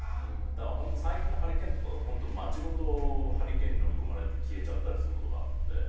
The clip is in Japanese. だから本当最近のハリケーンとかが本当街ごとハリケーンにのみ込まれて消えちゃったりする事があるので。